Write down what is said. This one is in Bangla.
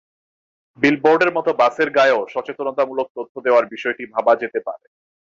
বিলবোর্ডের মতো বাসের গায়েও সচেতনতামূলক তথ্য দেওয়ার বিষয়টি ভাবা যেতে পারে।